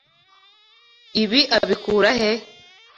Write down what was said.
Ibi abikura he?